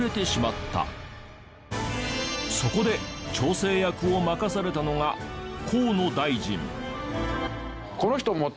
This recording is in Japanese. そこで調整役を任されたのが河野大臣。